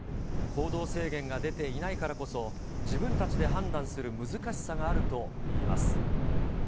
行動制限が出ていないからこそ、自分たちで判断する難しさがあるといいます。